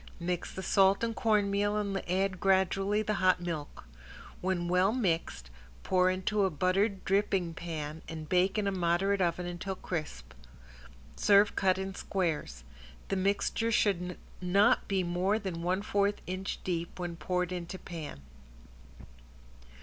Mix the salt and cornmeal and add gradually the hot milk. When well mixed, pour into a buttered dripping pan and bake in a moderate oven until crisp. Serve cut in squares. The mixture should not be more than one fourth inch deep when poured into pan.